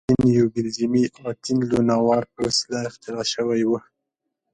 دغه انجن یو بلجیمي اتین لونوار په وسیله اختراع شوی و.